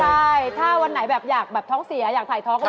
ใช่ถ้าวันไหนแบบอยากแบบท้องเสียอยากถ่ายท้องเรา